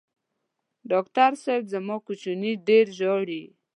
ډاکټر صېب زما کوچینی ډېر ژاړي